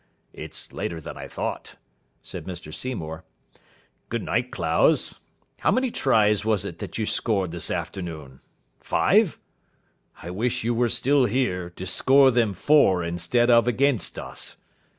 "It's later than I thought," said Mr Seymour. "Good night, Clowes. How many tries was it that you scored this afternoon? Five? I wish you were still here, to score them for instead of against us.